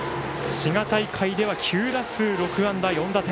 滋賀大会では９打数６安打４打点。